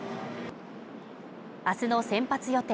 明日の先発予定